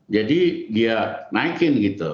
jadi dia naikin gitu